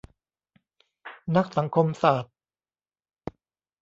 นักสังคมศาสตร์